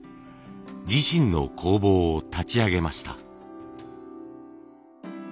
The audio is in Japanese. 自身の工房を立ち上げました。